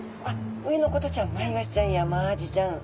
上の子たちはマイワシちゃんやマアジちゃん。